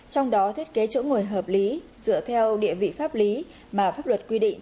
trong đó thiết kế chỗ ngồi hợp lý dựa theo địa vị pháp lý mà pháp luật quy định